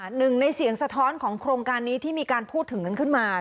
หนึ่งในเสียงสะท้อนของโครงการนี้ที่มีการพูดถึงกันขึ้นมา